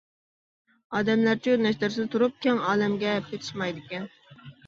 ئادەملەرچۇ نەشتەرسىز تۇرۇپ، كەڭ ئالەمگە پېتىشمايدىكەن.